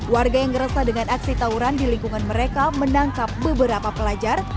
warga yang resah dengan aksi tawuran di lingkungan mereka menangkap beberapa pelajar